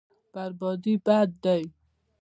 بربادي بد دی.